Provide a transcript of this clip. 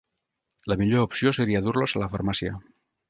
La millor opció seria dur-los a la farmàcia.